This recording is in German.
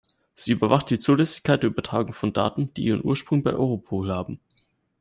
Sie überwacht die Zulässigkeit der Übertragung von Daten, die ihren Ursprung bei Europol haben.